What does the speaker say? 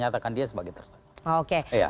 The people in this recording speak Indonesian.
kita nyatakan dia sebagai terserah